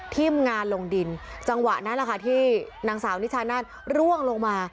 ทีมงานลงดินจังหวะนั้นแหละค่ะที่นางสาวนิชานาศร่วงลงมา